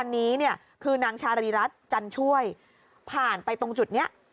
นี่ค่ะนี่ค่ะ